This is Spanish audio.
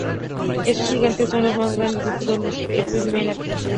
Estos gigantes son los más grandes de todos los Hemiptera.